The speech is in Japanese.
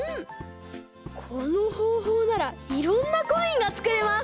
このほうほうならいろんなコインがつくれます！